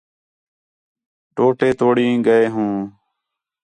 ٹوٹے توڑیں ڳئے ہوں